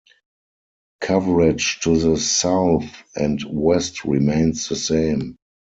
Coverage to the south and west remains the same.